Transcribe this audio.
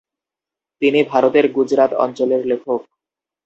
তিনি ভারতের গুজরাত অঞ্চলের লেখক।